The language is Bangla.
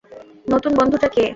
নতুন বন্ধুটা কে?